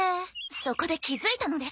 そこで気づいたのです。